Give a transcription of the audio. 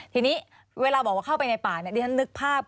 ทีนี้เวลาบอกว่าเข้าไปในป่าดิฉันนึกภาพ